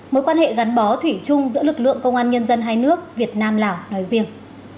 mối quan hệ gắn bó thủy chung giữa lực lượng công an nhân dân hai nước việt nam lào nói riêng